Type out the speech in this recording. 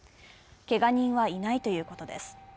けが人はいないということです。